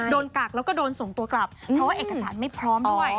กักแล้วก็โดนส่งตัวกลับเพราะว่าเอกสารไม่พร้อมด้วย